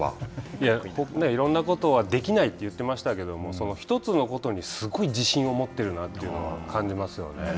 いろんなことはできないって言ってましたけど１つのことにすごい自信を持っているなというのは感じますよね。